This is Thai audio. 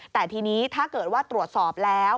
แต่ทีนี้ถ้าเกิดว่าตรวจสอบแล้ว